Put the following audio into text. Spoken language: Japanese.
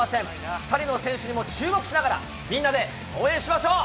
２人の選手にも注目しながら、みんなで応援しましょう。